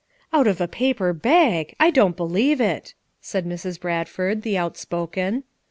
"Out of a paper bag! I don't believe it," said Mrs. Bradford, the outspoken.